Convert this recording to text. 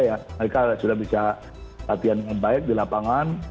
mereka sudah bisa latihan dengan baik di lapangan